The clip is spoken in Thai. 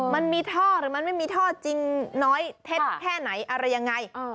มันมีท่อหรือมันไม่มีท่อจริงน้อยเท็จแค่ไหนอะไรยังไง